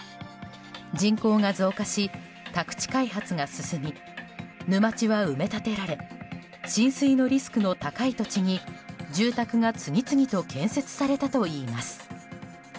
人口が増加し、宅地開発が進み沼地は埋め立てられ浸水のリスクの高い土地に住宅が、次々と建設されたといいます。